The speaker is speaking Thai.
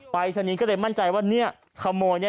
ไปซะนี้ก็ได้มั่นใจว่าเนี่ยขโมยแน่